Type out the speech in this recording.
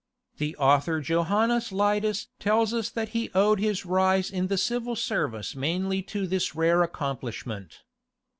The author Johannes Lydus tells us that he owed his rise in the civil service mainly to this rare accomplishment.